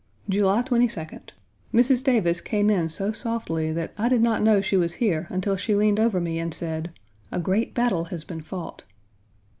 July 22d. Mrs. Davis came in so softly that I did not know she was here until she leaned over me and said: "A great battle has been fought.